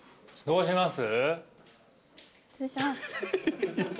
どうします？